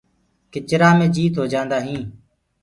ڪِچرآ مي جيت هوجآندآ هينٚ۔